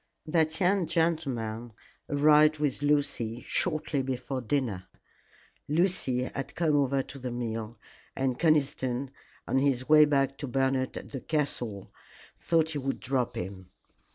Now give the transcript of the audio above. That young gentleman arrived with Lucy shortly before dinner. Lucy had come over to the meal, and Conniston, on his way back to Bernard at the castle, thought he would drop in.